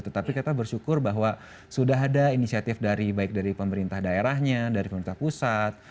tetapi kita bersyukur bahwa sudah ada inisiatif dari baik dari pemerintah daerahnya dari pemerintah pusat